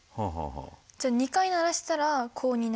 じゃあ２回鳴らしたら「こ」になる。